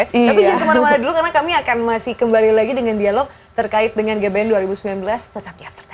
tapi jangan kemana mana dulu karena kami akan masih kembali lagi dengan dialog terkait dengan gbn dua ribu sembilan belas tetap di after sepuluh